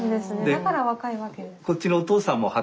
だから若いわけですね。